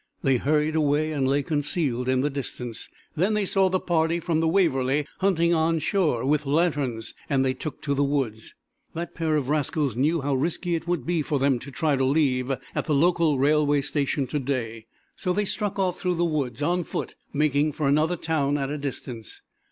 They hurried away and lay concealed in the distance. Then they saw the party from the 'Waverly' hunting on shore, with lantern's, and they took to the woods. That pair of rascals knew how risky it would be for them to try to leave at the local railway station today, so they struck off through the woods on foot making for another town at a distance.